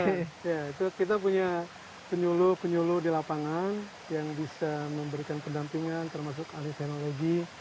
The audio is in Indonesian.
ya itu kita punya penyuluh penyuluh di lapangan yang bisa memberikan pendampingan termasuk ahli teknologi